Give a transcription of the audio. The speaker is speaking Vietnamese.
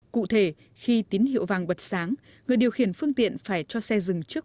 cụ thể khi tín hiệu vàng bật sáng người điều khiển phương tiện phải cho xe dừng trước